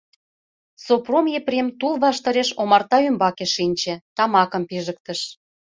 Сопром Епрем тул ваштареш омарта ӱмбаке шинче, тамакым пижыктыш.